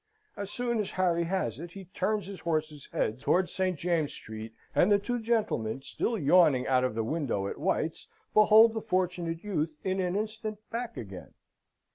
As soon as Harry has it, he turns his horses' heads towards St. James's Street, and the two gentlemen, still yawning out of the window at White's, behold the Fortunate Youth, in an instant, back again.